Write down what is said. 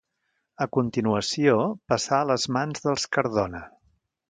A continuació, passà a les mans dels Cardona.